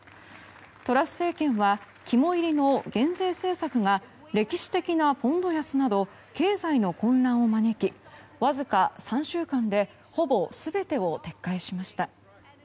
トラス政権は肝煎りの減税政策が歴史的なポンド安など経済の混乱を招きわずか３週間でほぼ全てを撤回しました。